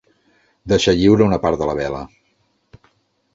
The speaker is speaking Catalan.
Deixar lliure una part de la vela.